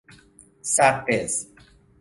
سقز